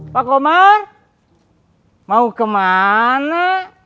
pak omar mau kemana